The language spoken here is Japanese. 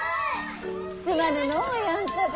すまぬのうやんちゃで。